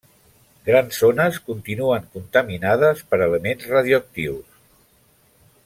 Gran zones continuen contaminades per elements radioactius.